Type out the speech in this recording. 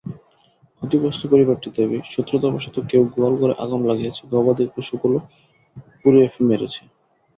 ক্ষতিগ্রস্ত পরিবারটির দাবি, শত্রুতাবশত কেউ গোয়ালঘরে আগুন লাগিয়ে গবাদিপশুগুলো পুড়িয়ে মেরেছে।